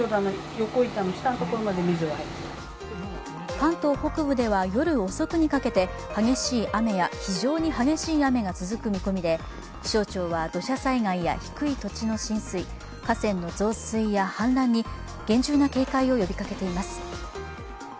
関東北部では夜遅くにかけて激しい雨や非常に激しい雨が続く見込みで気象庁は土砂災害や低い土地の浸水、河川の増水や氾濫に厳重な警戒を呼びかけています。